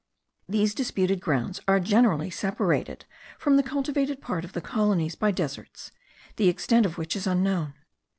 These disputed grounds are generally separated from the cultivated part of the colonies by deserts, the extent of which is unknown.